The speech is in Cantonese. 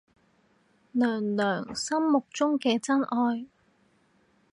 娘娘心目中嘅真愛